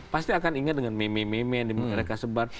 pasti akan ingat dengan meme meme